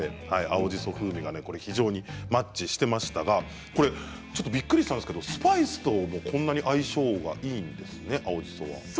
青じそ風味非常にマッチしていました。びっくりしたんですけれどもスパイスとこんなに相性がいいんですね、青じそ。